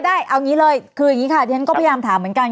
ได้เอางี้เลยคืออย่างนี้ค่ะที่ฉันก็พยายามถามเหมือนกัน